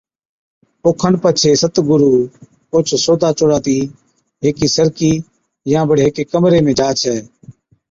اوکن پڇي ست گُرُو اوھچ سودا چوڙاتِي ھيڪِي سرڪِي يا بڙي ھيڪي ڪمري ۾ جا ڇَي